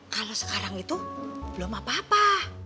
kalau sekarang itu belum apa apa